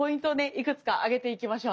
いくつか挙げていきましょうね。